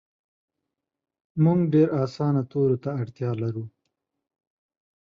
مونږ ډیر اسانه تورو ته اړتیا لرو